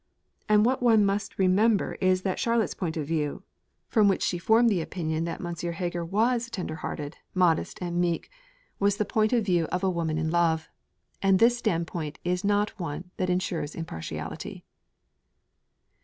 And what one must remember is that Charlotte's point of view, from which she formed the opinion that M. Heger was tender hearted, and modest and meek, was the point of view of a woman in love; and this standpoint is not one that ensures impartiality.